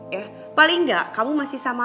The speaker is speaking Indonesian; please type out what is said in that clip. ya paling gak kamu masih sama b